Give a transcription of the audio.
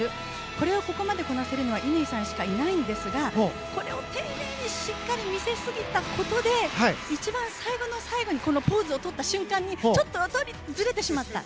これをここまでこなせるのは乾さんしかいないんですがこれを丁寧に、しっかり見せすぎたことで一番最後の最後にこのポーズを取った瞬間にちょっと音にずれてしまった。